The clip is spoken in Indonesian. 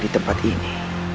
di tempat ini